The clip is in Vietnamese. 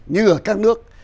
như ở các nước